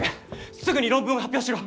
すぐに論文を発表しろ！